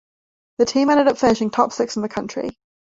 The team ended up finishing top six in the country.